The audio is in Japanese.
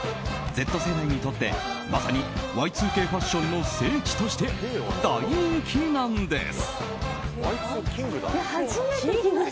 Ｚ世代にとって、まさにＹ２Ｋファッションの聖地として大人気なんです。